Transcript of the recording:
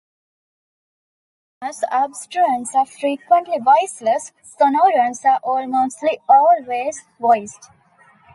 Whereas obstruents are frequently voiceless, sonorants are almost always voiced.